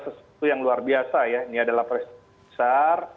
ini adalah sesuatu yang luar biasa ya ini adalah presiden besar